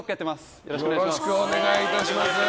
よろしくお願いします。